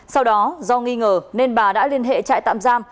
sau đó do nghi ngờ nên bà đã liên hệ trại tạm giam